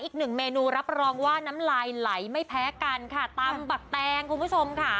อีกหนึ่งเมนูรับรองว่าน้ำลายไหลไม่แพ้กันค่ะตำบักแตงคุณผู้ชมค่ะ